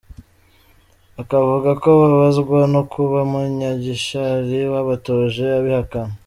Akavuga ko ababazwa no kuba Munyagishari wabatoje, abihakana.